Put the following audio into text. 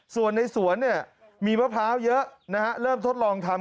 ส่วนในสวนมีมะพร้าวเยอะเริ่มทดลองทำ